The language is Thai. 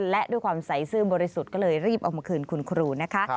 และด้วยความใสซื่อบริสุทธิ์ก็เลยรีบเอามาคืนคุณครูนะคะ